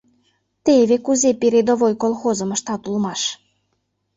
Теве кузе «передовой» колхозым ыштат улмаш!